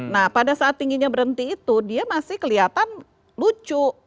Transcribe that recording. nah pada saat tingginya berhenti itu dia masih kelihatan lucu